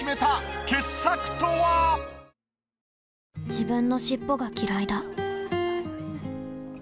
自分の尻尾がきらいだ